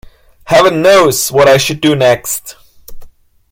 Heaven knows what I should do next.